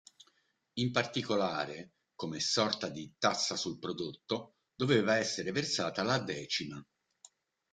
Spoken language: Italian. In particolare, come sorta di "tassa sul prodotto" doveva essere versata la decima.